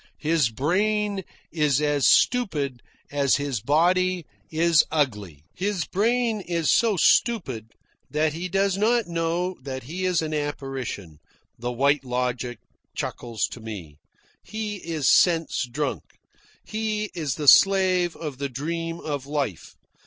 His brain is as stupid as his body is ugly. "His brain is so stupid that he does not know he is an apparition," the White Logic chuckles to me. "He is sense drunk. He is the slave of the dream of life.